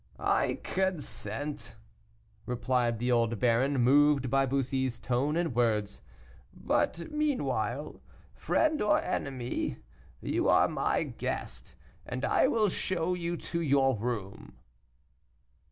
"I consent," replied the old baron, moved by Bussy's tone and words; "but meanwhile, friend or enemy, you are my guest, and I will show you to your room."